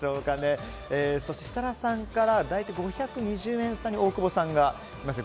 設楽さんから大体５２０円差に大久保さんがいますね。